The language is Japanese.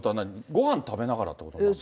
ごはん食べながらってことなんですか？